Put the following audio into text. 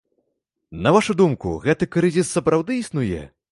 На вашу думку, гэты крызіс сапраўды існуе?